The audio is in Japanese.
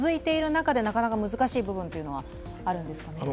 中でなかなか難しい部分があるんですよね。